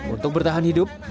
untuk bertahan hidup